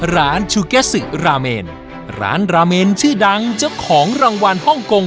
ชูแกศึกราเมนร้านราเมนชื่อดังเจ้าของรางวัลฮ่องกง